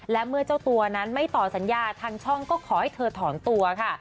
และเมื่อเจ้าตัวนั้นไม่ต่อสัญญาทางช่องก็ขอให้เธอถอนตัวค่ะ